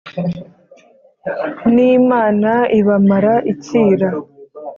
N'Imana ibamara icyira.